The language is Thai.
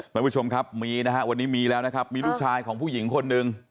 ท่านผู้ชมครับมีนะฮะวันนี้มีแล้วนะครับมีลูกชายของผู้หญิงคนหนึ่ง